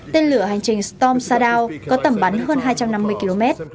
tên lửa hành trình storm shadal có tầm bắn hơn hai trăm năm mươi km